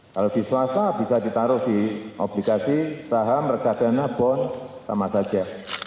kalau di swasta bisa ditaruh di obligasi saham reksadana bond sama saja